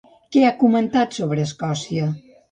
Què ha comentat sobre Escòcia?